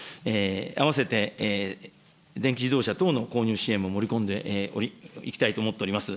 併せて、電気自動車等の購入支援も盛り込んでいきたいと思っております。